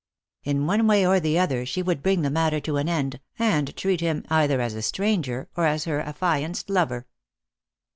In one way or the other she would bring the matter to an end, and treat him either as a stranger or as her affianced lover.